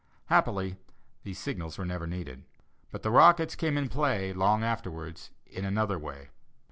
Happily these signals were never needed, but the rockets came in play, long afterwards, in another way.